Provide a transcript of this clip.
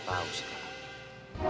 cepet banget hilangnya